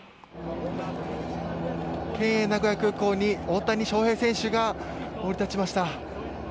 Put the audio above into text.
県営名古屋空港に大谷翔平選手が降り立ちました。